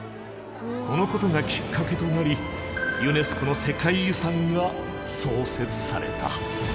このことがきっかけとなりユネスコの世界遺産が創設された。